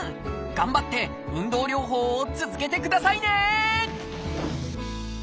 頑張って運動療法を続けてくださいね！